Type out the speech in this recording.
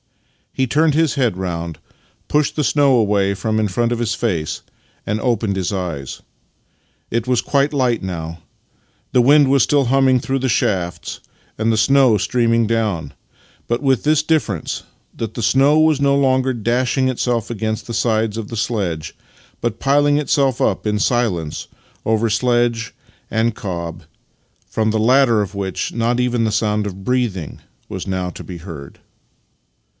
He turned his head round, pushed the snow away from in front of his face, and opened his eyes. It was quite light now. The wind was still humming through the shafts and the snow streaming down — but with this difference, that the snow was no longer dashing itself against the sides of the sledge, but piling itself up in silence over sledge and cob — from the latter of which not even the sound of breath ing was now to be heard.